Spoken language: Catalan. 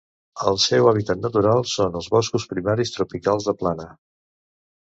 El seu hàbitat natural són els boscos primaris tropicals de plana.